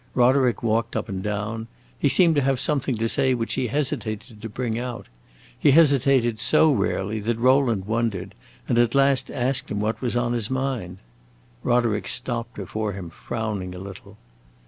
Roderick walked up and down; he seemed to have something to say which he hesitated to bring out. He hesitated so rarely that Rowland wondered, and at last asked him what was on his mind. Roderick stopped before him, frowning a little.